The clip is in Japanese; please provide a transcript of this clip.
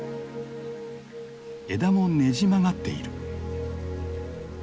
枝もねじ曲がっている。